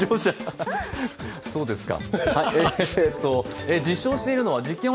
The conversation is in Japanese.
そうですか。